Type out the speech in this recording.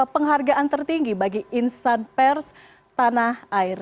penghargaan tertinggi bagi insan pers tanah air